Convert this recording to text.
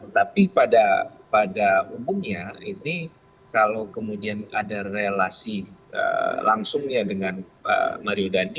tapi pada umumnya ini kalau kemudian ada relasi langsungnya dengan mario dandi